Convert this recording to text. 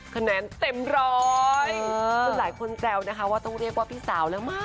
ขนันเต็มร้อยสุดท้ายคนเจานะคะว่าต้องเรียกว่าพี่สาวน้ำมาส